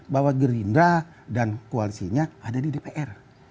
bahwa gerindra dan koalisinya ada di dpr